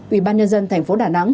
ủy ban nhân dân thành phố đà nẵng